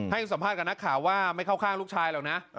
ให้สัมภาษณ์กับนักข่าวว่าไม่เข้าข้างลูกชายหรอกนะ